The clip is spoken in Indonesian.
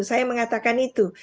saya mengatakan itu